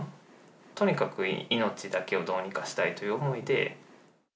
とにかく命だけをどうにかしたいという思いで。